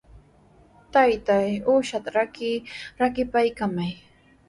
Taytay, uushaata rakipaykamay.